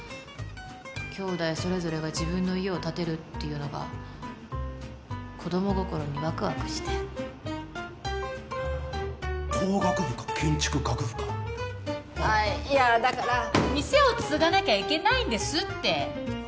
兄弟それぞれが自分の家を建てるっていうのが子供心にワクワクして工学部か建築学部かあっいやだから店を継がなきゃいけないんですって